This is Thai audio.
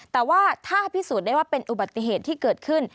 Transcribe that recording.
แต่ว่าถ้าพิสูจน์ได้ว่าเป็นอุบัติเหตุที่เกิดขึ้น